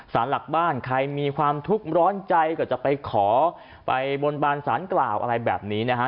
สารหลักบ้านใครมีความทุกข์ร้อนใจก็จะไปขอไปบนบานสารกล่าวอะไรแบบนี้นะฮะ